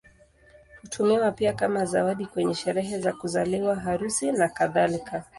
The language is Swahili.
Hutumiwa pia kama zawadi kwenye sherehe za kuzaliwa, harusi, nakadhalika.